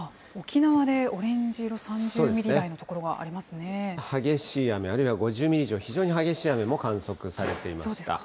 沖縄でオレンジ色、激しい雨、あるいは５０ミリ以上、非常に激しい雨も観測されていました。